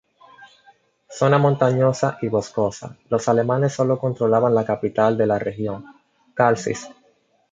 Zona montañosa y boscosa, los alemanes sólo controlaban la capital de la región, Calcis.